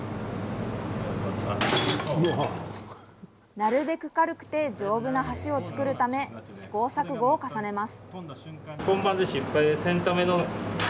なるべく軽くて丈夫な橋を作るため、試行錯誤を重ねます。